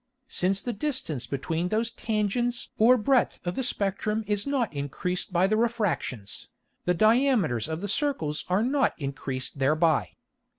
Since the distance between those Tangents or breadth of the Spectrum is not increased by the Refractions, the Diameters of the Circles are not increased thereby.